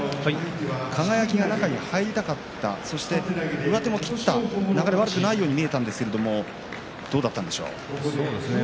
輝が中に入りたかったそして上手も切った流れ悪くないように見えたんですけれどもどうだったんでしょう？